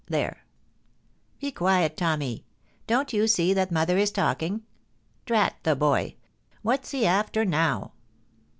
There ! be quiet, Tommy. Don't you see that mother is talking ? Drat the boy ! What's he after now